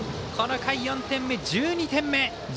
この回、４点目、１２点目。